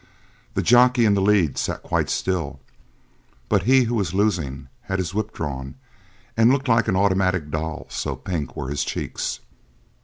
The jockey in the lead sat quite still, but he who was losing had his whip drawn and looked like an automatic doll so pink were his cheeks.